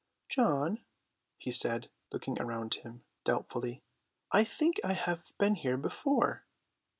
"John," he said, looking around him doubtfully, "I think I have been here before."